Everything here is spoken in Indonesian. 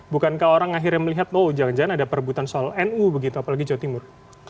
bukankah orang akhirnya melihat oh jangan jangan ada perebutan soal nu begitu apalagi jawa timur